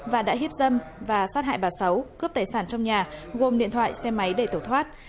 và đã hiếp dâm và sát hại bà sáu cướp tài sản trong nhà gồm điện thoại xe máy để tẩu thoát